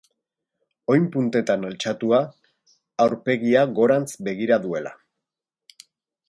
Oin puntetan altxatua, aurpegia gorantz begira duela.